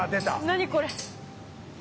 何これ？